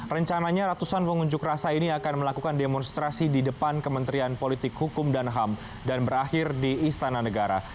rencananya ratusan pengunjuk rasa ini akan melakukan demonstrasi di depan kementerian politik hukum dan ham dan berakhir di istana negara